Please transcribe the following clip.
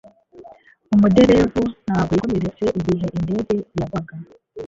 Umuderevu ntabwo yakomeretse igihe indege yagwaga